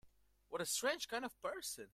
What a strange kind of person!